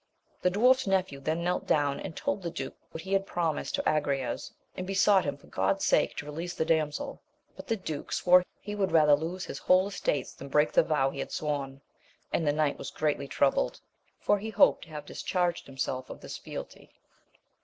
The dwarf's nephew then knelt down, and told the duke what he had pro mised to Agrayes, and besought him for God's sake to release the damsel; but the duke swore he would rather lose his whole estates than break the vow he had sworn } and the "Vai^t ^^^ ^^^^i \?twiS^'5^^^^^\ AMADIS OF GAUL, 107 he hoped to have discharged himself of his fealty.